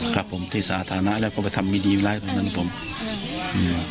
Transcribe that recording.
ครับผมที่สาธารณะแล้วก็ไปทำไม่ดีร้ายตอนนั้นผมเนี่ย